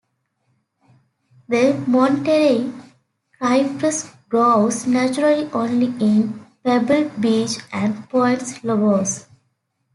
The Monterey Cypress grows naturally only in Pebble Beach and Point Lobos.